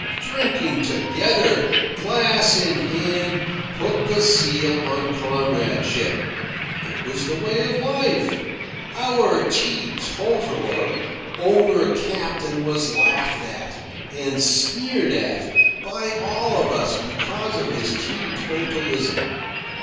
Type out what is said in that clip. Drinking together, glass in hand, put the seal on comradeship. It was the way of life. Our teetotaler owner captain was laughed at, and sneered at, by all of us because of his teetotalism.